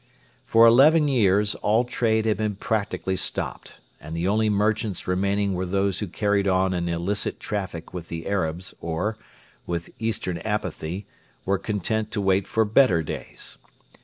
For eleven years all trade had been practically stopped, and the only merchants remaining were those who carried on an illicit traffic with the Arabs or, with Eastern apathy, were content to wait for better days.